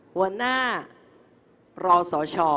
หัวหน้ารอสช